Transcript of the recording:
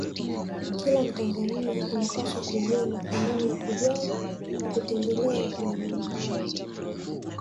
Kila Mtanzania anapaswa kuiona thamani ya kujali kwa kutembelea maeneo haya